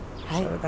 はい。